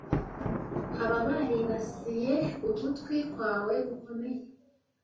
Nkaba baribasiye ugutwi kwawe gukomeye